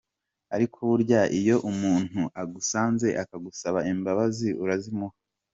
Ariko burya iyo umuntu agusanze akagusaba imbabazi urazimuha.